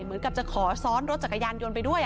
เหมือนกับจะขอซ้อนรถจักรยานยนต์ไปด้วย